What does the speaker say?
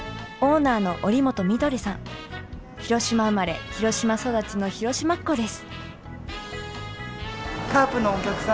広島生まれ広島育ちの広島っ子です。